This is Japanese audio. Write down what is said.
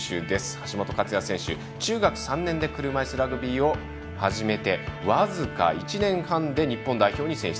橋本勝也選手、中学３年で車いすラグビーを始めてわずか１年半で日本代表に選出。